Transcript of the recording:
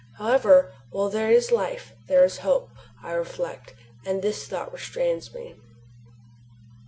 However, while there is life there is hope, I reflect, and this thought restrains me.